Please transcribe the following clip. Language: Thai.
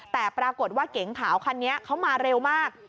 แต่ปรากฏว่าเก๋งขาวคันนี้เขามาเร็วมาก